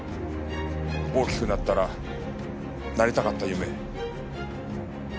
大きくなったらなりたかった夢。